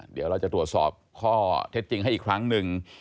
เดี๋ยวเราจะตรวจสอบข้อเท็จจริงให้อีกครั้งหนึ่ง